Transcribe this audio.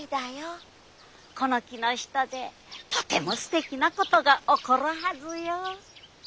この樹の下でとてもすてきなことが起こるはずよ。